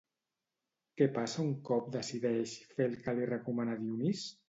Què passa un cop decideix fer el que li recomana Dionís?